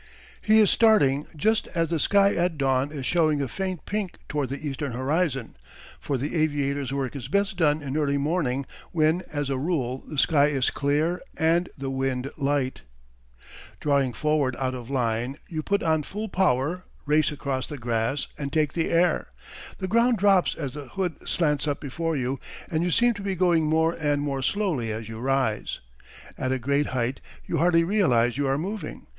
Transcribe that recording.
He is starting just as the sky at dawn is showing a faint pink toward the eastern horizon, for the aviator's work is best done in early morning when, as a rule, the sky is clear and the wind light: [Illustration: © U. & U. Position of Gunner in Early French Machines.] Drawing forward out of line, you put on full power, race across the grass, and take the air. The ground drops as the hood slants up before you and you seem to be going more and more slowly as you rise. At a great height you hardly realize you are moving.